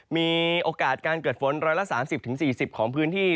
มีโอกาสการเกิดฝน๑๓๐๔๐ของพื้นที่